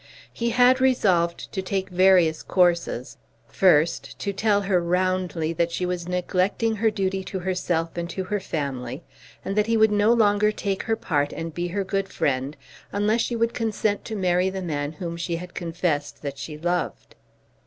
He had resolved to take various courses, first to tell her roundly that she was neglecting her duty to herself and to her family, and that he would no longer take her part and be her good friend unless she would consent to marry the man whom she had confessed that she loved.